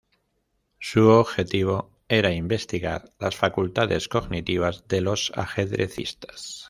Su objetivo era investigar las facultades cognitivas de los ajedrecistas.